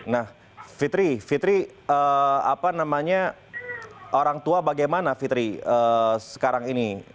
nah fitri fitri apa namanya orang tua bagaimana fitri sekarang ini